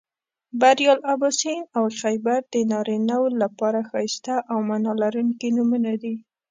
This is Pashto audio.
بریال، اباسین او خیبر د نارینهٔ و لپاره ښایسته او معنا لرونکي نومونه دي